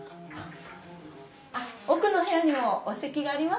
あっ奥の部屋にもお席がありますので。